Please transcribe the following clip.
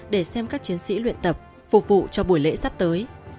để xem các chiến sĩ luyện tập phục vụ cho buổi lễ sắp tới